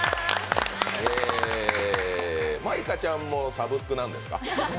舞香ちゃんもサブスクなんですか？